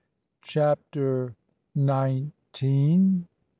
CHAPTER NINETEEN.